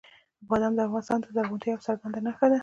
بادام د افغانستان د زرغونتیا یوه څرګنده نښه ده.